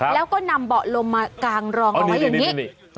แล้วก็นำเบาะลมมากางรองเอาไว้อย่างนี้